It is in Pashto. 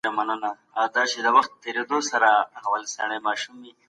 ما خپلې زده کړې په اقتصاد کي بشپړې کړې.